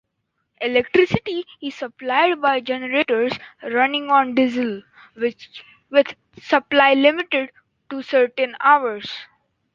Electricity is supplied by generators running on diesel, with supply limited to certain hours.